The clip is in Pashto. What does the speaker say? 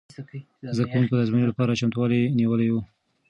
زده کوونکو د ازموینې لپاره چمتووالی نیولی و.